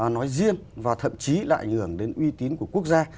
nó riêng và thậm chí lại ảnh hưởng đến uy tín của quốc gia